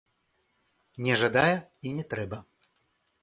Не жадае, і не трэба.